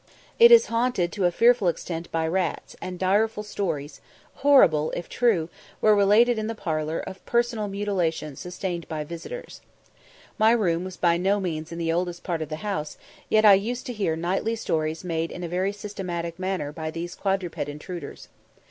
It is haunted to a fearful extent by rats; and direful stories, "horrible, if true," were related in the parlour of personal mutilations sustained by visitors. My room was by no means in the oldest part of the house, yet I used to hear nightly sorties made in a very systematic manner by these quadruped intruders.